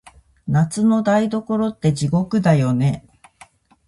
夏の台所って、地獄だよね。